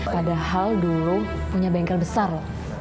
padahal dulu punya bengkel besar